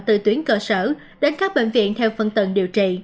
từ tuyến cơ sở đến các bệnh viện theo phân tầng điều trị